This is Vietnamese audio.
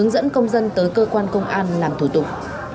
đến tới cơ quan công an làm thủ tục